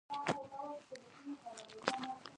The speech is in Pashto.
په اوسط ډول مزل کاوه.